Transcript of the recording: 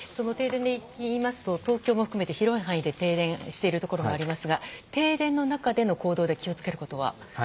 停電で言いますと東京も含めて広い範囲で停電しているところがありますが停電の中での行動で気を付けることは？